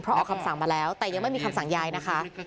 เพราะออกคำสั่งมาแล้วแต่ยังไม่มีคำสั่งย้ายนะคะ